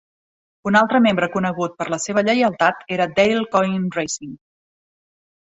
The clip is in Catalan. Un altre membre conegut per la seva lleialtat era Dale Coyne Racing.